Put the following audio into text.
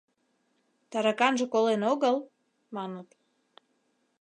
— Тараканже колен огыл? — маныт.